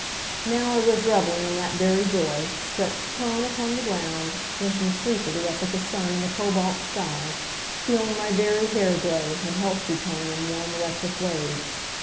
Now I was reveling in that very joy, stretched prone upon the ground, blinking sleepily up at the sun and the cobalt sky, feeling my very hair grow, and health returning in warm, electric waves.